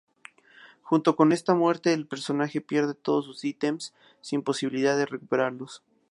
Junto con esta muerte el personaje pierde todo sus ítems sin posibilidad de recuperarlos.